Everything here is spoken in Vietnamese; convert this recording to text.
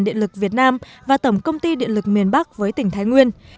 điện lực việt nam và tổng công ty điện lực miền bắc với tỉnh thái nguyên